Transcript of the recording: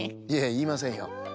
いやいいませんよ。